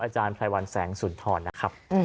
อาจารย์ภายวัลแสงสุนธรนะครับ